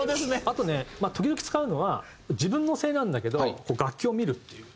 あとね時々使うのは自分のせいなんだけど楽器を見るっていう。